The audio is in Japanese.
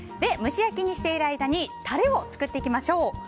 蒸し焼きにしている間にタレを作っていきましょう。